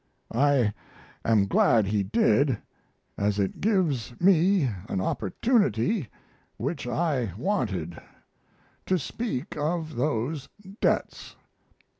I am glad he did, as it gives me an opportunity which I wanted to speak of those debts.